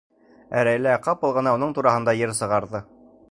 Ә Рәйлә ҡапыл ғына уның тураһында йыр сығарҙы.